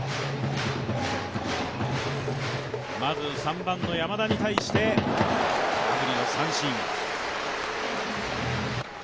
まず３番の山田に対して、空振りの三振。